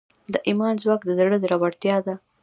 د ایمان ځواک د زړه زړورتیا ده.